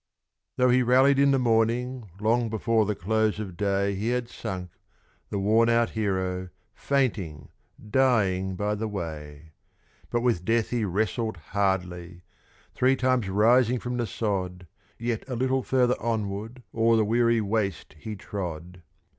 ..... Though he rallied in the morning, long before the close of day He had sunk, the worn out hero, fainting, dying by the way! But with Death he wrestled hardly; three times rising from the sod, Yet a little further onward o'er the weary waste he trod.